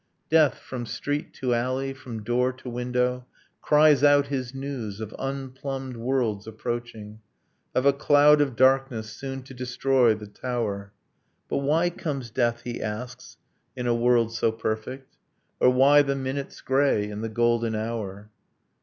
Death, from street to alley, from door to window, Cries out his news, of unplumbed worlds approaching, Of a cloud of darkness soon to destroy the tower. But why comes death, he asks, in a world so perfect? Or why the minute's grey in the golden hour?